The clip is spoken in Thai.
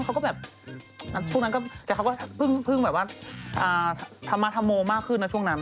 เค้าก็แบบแต่เค้าก็พึ่งแบบว่าธรรมาธรโมมากขึ้นนะช่วงนั้น